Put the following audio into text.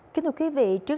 kính thưa quý vị